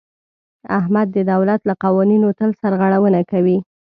احمد د دولت له قوانینو تل سرغړونه کوي.